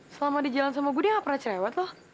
selama di jalan sama gue dia gak pernah cerewet loh